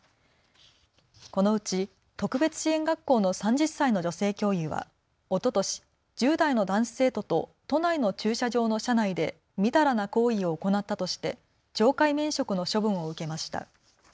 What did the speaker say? このうち特別支援学校の３０歳の女性教諭は、おととし１０代の男子生徒と都内の駐車場の車内で淫らな行為を行ったとして懲戒免職の処分を受けました。